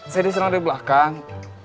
saya diserang dari belakang